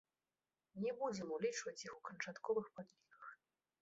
Не будзем улічваць іх у канчатковых падліках.